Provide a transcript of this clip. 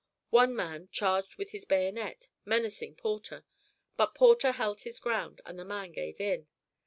One man charged with his bayonet, menacing Porter; but Porter held his ground, and the man gave in.